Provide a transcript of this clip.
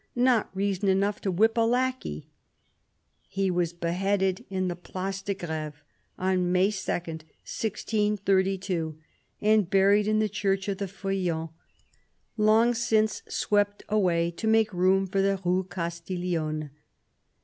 Not reason enough to whip a lackey!" He was beheaded in the Place de Grfeve on May 2, 1632, and buried in the Church of the Feuillants, long since swept away to make room for the Rue Castiglione.